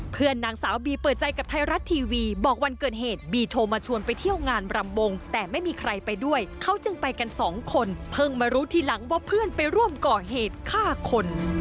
เพื่อนนางสาวบีเปิดใจกับไทยรัฐทีวีบอกวันเกิดเหตุบีโทรมาชวนไปเที่ยวงานรำวงแต่ไม่มีใครไปด้วยเขาจึงไปกันสองคนเพิ่งมารู้ทีหลังว่าเพื่อนไปร่วมก่อเหตุฆ่าคน